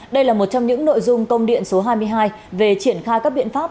đây là một trong những nội dung công điện số hai mươi hai về triển khai các biện pháp